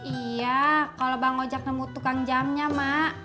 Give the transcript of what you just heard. iya kalau bang ojek nemu tukang jamnya mak